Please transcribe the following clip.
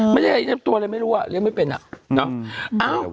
ไม่ใช่อายีน่าตัวอะไรไม่รู้อ่ะเรียกไม่เป็นอ่ะ